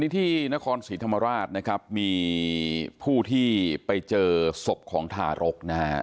ที่นครศรีธรรมราชนะครับมีผู้ที่ไปเจอศพของทารกนะฮะ